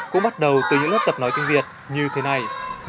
cũng bắt đầu từ những lớp tập nói tiếng việt như thế này